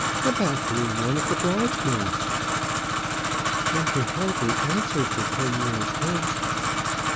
"About being one of the bridesmaids." "One can hardly answer for ten years hence."